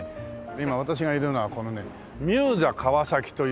今私がいるのはこのねミューザ川崎というね。